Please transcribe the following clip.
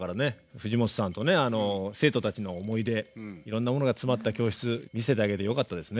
藤本さんとね生徒たちの思い出いろんなものが詰まった教室見せてあげれてよかったですね。